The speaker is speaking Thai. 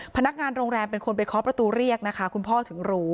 พนักงานโรงแรมเป็นคนไปเคาะประตูเรียกนะคะคุณพ่อถึงรู้